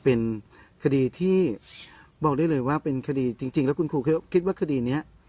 เป็นคดีที่บอกได้เลยว่าเป็นคดีจริงแล้วคุณครูคิดว่าคดีนี้